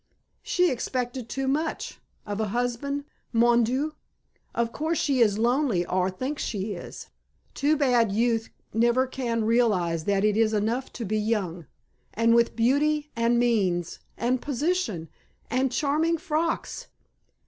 She expected too much of a husband, mon dieu! Of course she is lonely or thinks she is. Too bad youth never can realize that it is enough to be young. And with beauty, and means, and position, and charming frocks!